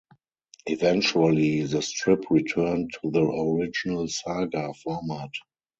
Eventually, the strip returned to the original saga format.